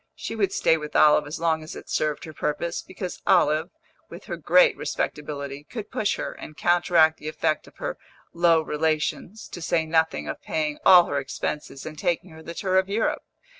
She would stay with Olive as long as it served her purpose, because Olive, with her great respectability, could push her, and counteract the effect of her low relations, to say nothing of paying all her expenses and taking her the tour of Europe.